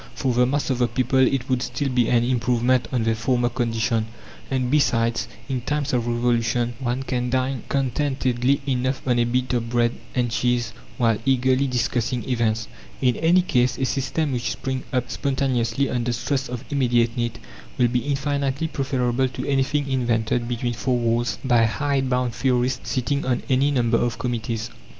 For the mass of the people it would still be an improvement on their former condition; and, besides, in times of Revolution one can dine contentedly enough on a bit of bread and cheese while eagerly discussing events. In any case, a system which springs up spontaneously, under stress of immediate need, will be infinitely preferable to anything invented between four walls by hide bound theorists sitting on any number of committees.